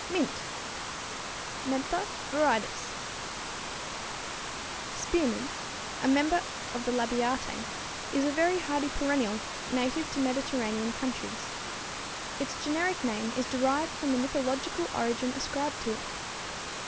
=Mint= (Mentha viridis, Linn.) Spearmint, a member of the Labiatæ, is a very hardy perennial, native to Mediterranean countries. Its generic name is derived from the mythological origin ascribed to it.